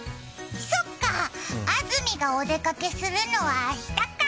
そっか、安住がお出かけするのは明日か。